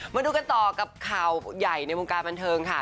มาดูกันต่อกับข่าวใหญ่ในวงการบันเทิงค่ะ